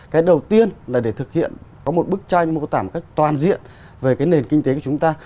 cái đầu tiên là để thực hiện có một bức tranh mô tả một cách toàn diện về cái nền kinh tế của chúng ta